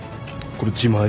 これ自前？